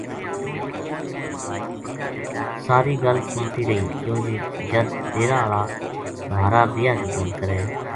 ساری گل سُنتی رہی کیوں جے جَد ڈیرا ہالا مھارا بیاہ کی گَل کرے